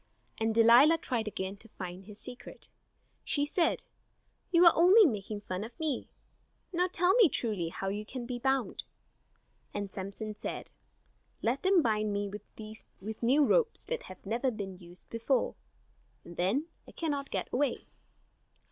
And Delilah tried again to find his secret. She said: "You are only making fun of me. Now tell me truly how you can be bound." And Samson said: "Let them bind me with new ropes that have never been used before; and then I cannot get away."